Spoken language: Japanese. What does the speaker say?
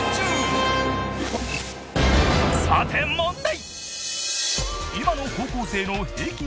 さて問題！